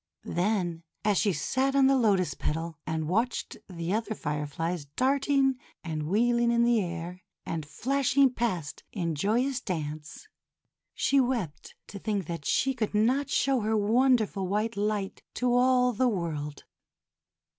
Then, as she sat on the Lotus petal, and watched the other Fireflies darting and wheeling in the air, and flashing past in joyous dance, she wept to think that she PRINCE GOLDEN FIREFLY 159 could not show her wonderful white light to all the world.